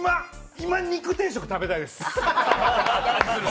今、肉定食、食べたいです。